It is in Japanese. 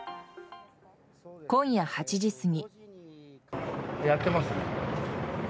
今夜８時過ぎ。